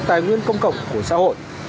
tài nguyên công cộng của xã hội